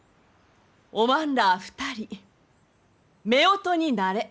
おまんら２人めおとになれ。